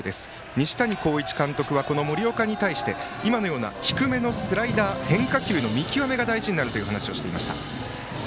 西谷浩一監督は、森岡に対して今のような低めのスライダー変化球の見極めが大事だと話していました。